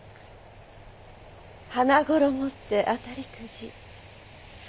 花ごろもって当たりくじ。